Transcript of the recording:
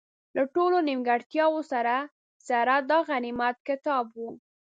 له ټولو نیمګړتیاوو سره سره، دا غنیمت کتاب وو.